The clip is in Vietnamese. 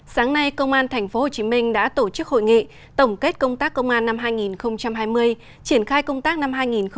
sáng nay công an tp hcm đã tổ chức hội nghị tổng kết công tác công an năm hai nghìn hai mươi triển khai công tác năm hai nghìn hai mươi một